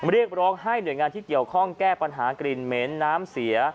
เรียกร้องให้หน่วยงานที่เกี่ยวข้องแก้ปัญหากลิ่นเหม็นน้ำเสีย